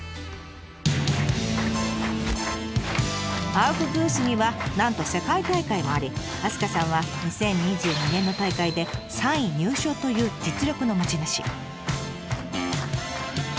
アウフグースにはなんと世界大会もあり明日香さんは２０２２年の大会で３位入賞という実力の持ち主。